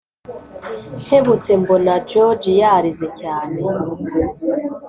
nkebutse mbona george yarize cyane